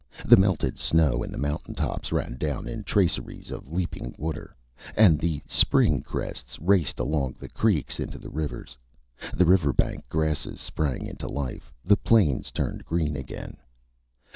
The melted snow in the mountaintops ran down in traceries of leaping water, and the spring crests raced along the creeks into the rivers. The riverbank grasses sprang into life; the plains turned green again.